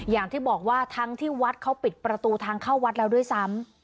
อย่างที่บอกว่าทั้งที่วัดเขาปิดประตูทางเข้าวัดแล้วด้วยซ้ำ